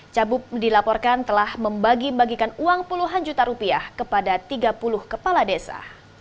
cabup dilaporkan telah membagi bagikan uang puluhan juta rupiah kepada tiga puluh kepala desa